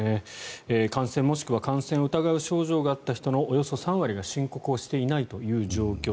感染もしくは感染を疑う症状があった人のおよそ３割が申告をしていないという状況。